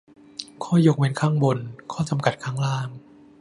"ข้อยกเว้นข้างบน ข้อจำกัดข้างล่าง"